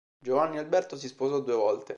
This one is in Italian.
Giovanni Alberto si sposò due volte.